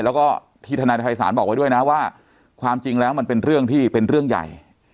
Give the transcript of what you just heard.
แล้วก็ที่ทนายภัยศาลบอกไว้ด้วยนะว่าความจริงแล้วมันเป็นเรื่องที่เป็นเรื่องใหญ่